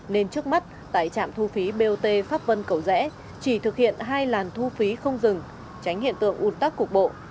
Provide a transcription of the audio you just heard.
nên trước mắt tại trạm thu phí bot pháp vân cầu rẽ chỉ thực hiện hai làn thu phí không dừng tránh hiện tượng ủn tắc cục bộ